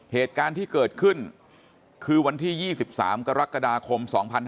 เหตุการณ์ที่เกิดขึ้นคือวันที่๒๓กรกฎาคม๒๕๕๙